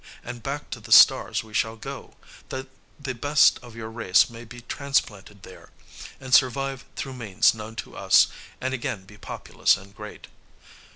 and back to the stars we shall go, that the best of your race may be transplanted there, and survive through means known to us, and again be populous and great.